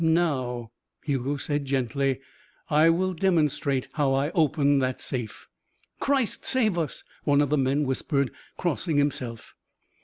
"Now," Hugo said gently, "I will demonstrate how I opened that safe." "Christ save us," one of the men whispered, crossing himself.